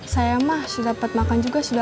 saya mah sudah dapat makan juga sudah